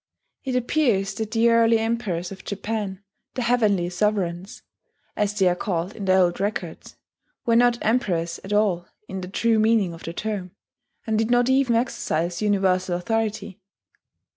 It appears that the early emperors of Japan the "heavenly sovereigns," as they are called in the old records were not emperors at all in the true meaning of the term, and did not even exercise universal authority.